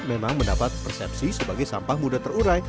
memang mendapat persepsi sebagai sampah mudah terurai